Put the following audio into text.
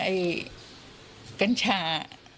ไอ้กัญชา